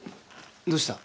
どうした？